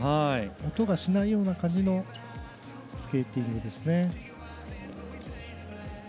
音がしないような感じのスケーティングですね。